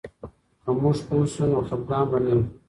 که موږ پوه سو، نو خفګان به نه وي.